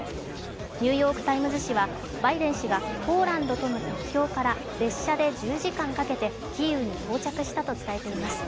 「ニューヨーク・タイムズ」紙はバイデン氏がポーランドとの国境から列車で１０時間かけてキーウに到着したと伝えています。